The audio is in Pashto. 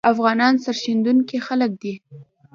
افغانان سرښندونکي خلګ دي